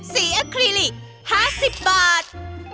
สีอัคลิลิคห้าสิบบาท